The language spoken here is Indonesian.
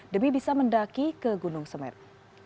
demi bisa mendaki ke gunung semeru